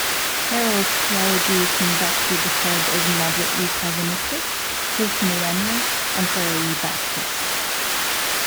Carroll's theology can best be described as moderately Calvinistic, postmillennial, and thoroughly Baptist.